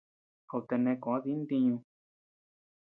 Amtea neʼë koʼö dï ntiñu.